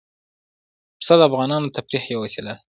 پسه د افغانانو د تفریح یوه وسیله ده.